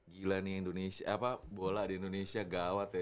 gila nih indonesia apa bola di indonesia gawat ya